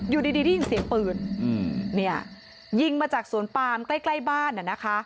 อยู่ดีได้ยินเสียงปืนเนี่ยยิงมาจากสวนปามใกล้ใกล้บ้านอ่ะนะคะ